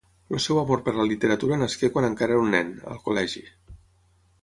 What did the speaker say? El seu amor per la literatura nasqué quan encara era un nen, al col·legi.